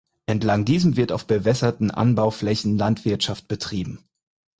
Entlang diesem wird auf bewässerten Anbauflächen Landwirtschaft betrieben.